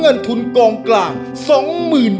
ผ่านยกที่สองไปได้นะครับคุณโอ